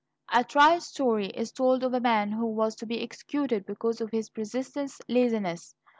A trite story is told of a man who was to be executed because of his persistent laziness.